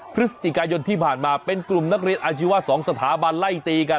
พฤศจิกายนที่ผ่านมาเป็นกลุ่มนักเรียนอาชีวะ๒สถาบันไล่ตีกัน